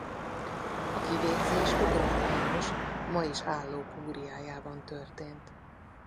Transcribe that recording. A kivégzés Ugron János ma is álló kúriájában történt.